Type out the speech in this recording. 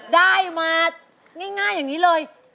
ได้มาง่ายอย่างนี้เลย